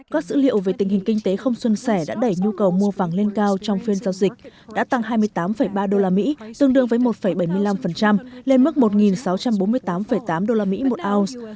các dữ liệu về tình hình kinh tế không xuân sẻ đã đẩy nhu cầu mua vàng lên cao trong phiên giao dịch đã tăng hai mươi tám ba đô la mỹ tương đương với một bảy mươi năm lên mức một sáu trăm bốn mươi tám tám đô la mỹ một ounce